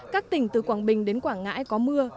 các tỉnh từ quảng bình đến quảng ngãi có mưa